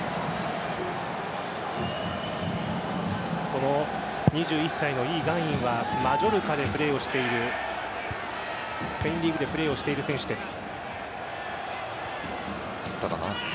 この２１歳のイ・ガンインはマジョルカでプレーをしているスペインリーグでプレーをしている選手です。